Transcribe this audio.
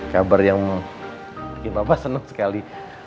kabar yang bikin papa seneng sekali